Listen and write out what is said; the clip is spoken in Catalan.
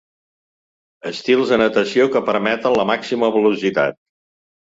Estils de natació que permeten la màxima velocitat.